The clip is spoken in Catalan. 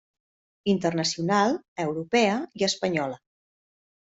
Internacional, Europea i Espanyola.